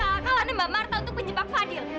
ini bukan akal akalan mbak marta untuk menjebak fadil